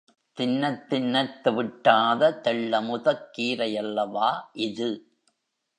தின்னத் தின்னத் தெவிட்டாத தெள்ளமுதக் கீரையல்லவா இது!